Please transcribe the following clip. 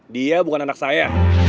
dia bukan anak saya